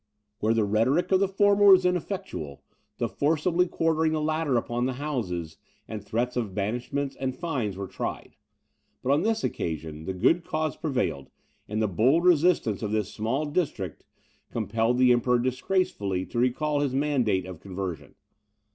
Where the rhetoric of the former was ineffectual, the forcibly quartering the latter upon the houses, and threats of banishment and fines were tried. But on this occasion, the good cause prevailed, and the bold resistance of this small district compelled the Emperor disgracefully to recall his mandate of conversion.